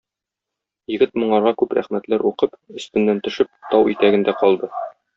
Егет моңарга күп рәхмәтләр укып, өстеннән төшеп, тау итәгендә калды.